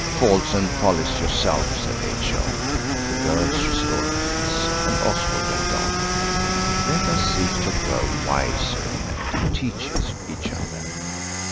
"Faults and follies yourself," said H.O. The girls restored peace, and Oswald went on– "Let us seek to grow wiser, and to teach each other."